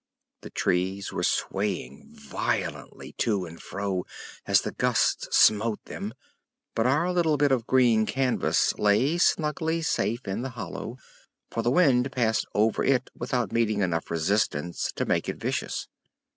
The trees were swaying violently to and fro as the gusts smote them, but our little bit of green canvas lay snugly safe in the hollow, for the wind passed over it without meeting enough resistance to make it vicious.